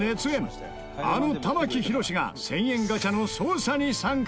あの玉木宏が１０００円ガチャの捜査に参加！